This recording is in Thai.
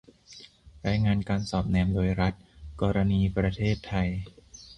รายงานการสอดแนมโดยรัฐ - กรณีประเทศไทย